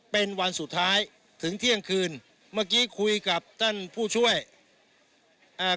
เป็นวันสุดท้ายถึงเที่ยงคืนเมื่อกี้คุยกับท่านผู้ช่วยอ่า